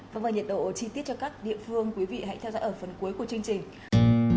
vâng và nhiệt độ chi tiết cho các địa phương quý vị hãy theo dõi ở phần cuối của chương trình